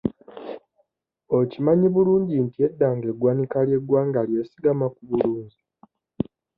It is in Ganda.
Okimanyi bulungi nti edda nga eggwanika ly'eggwanga lyesigama ku bulunzi?